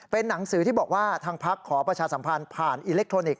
เป็นหนังสือที่บอกว่าทางพักขอประชาสัมพันธ์ผ่านอิเล็กทรอนิกส